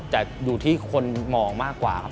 แต่อยู่ที่คนมองมากกว่าครับ